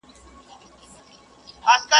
آس د خرو په ډله کي خر سي.